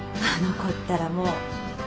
あの子ったらもう。